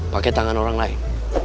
pake tangan orang lain